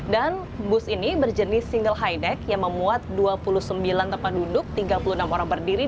bus ini berjenis single high deck yang memuat dua puluh sembilan tempat duduk tiga puluh enam orang berdiri